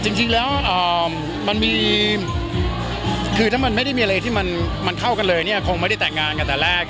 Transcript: จริงแล้วมันมีคือถ้ามันไม่ได้มีอะไรที่มันเข้ากันเลยเนี่ยคงไม่ได้แต่งงานกันแต่แรก